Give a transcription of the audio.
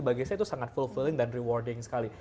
bagi saya itu sangat fulfilling dan rewarding sekali